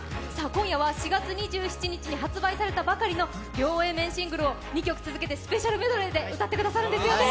今夜は４月２７日に発売されたばかりの両Ａ面シングルを、２曲続けてスペシャルメドレーで歌ってくださるんですよね。